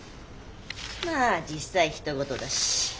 まあ実際ひと事だし。